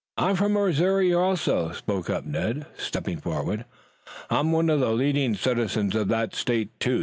"I'm from Missouri, also," spoke up Ned, stepping forward. "I'm one of the leading citizens of that state, too.